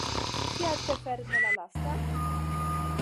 Kial prefere ne la lasta?